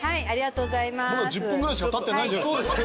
まだ１０分ぐらいしかたってないじゃないですか。